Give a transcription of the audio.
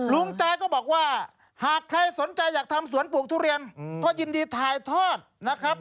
ใจก็บอกว่าหากใครสนใจอยากทำสวนปลูกทุเรียนก็ยินดีถ่ายทอดนะครับ